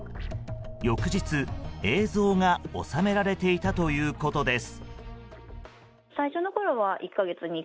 翌日、映像が収められていたということです。